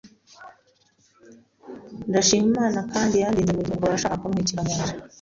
Ndashima Imana kandi yandinze mu gihe umugabo yashakaga kuntwikira mu nzu,